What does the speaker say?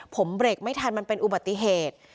ผมเบรกไม่ทันมันเป็นอุบัติเหตุ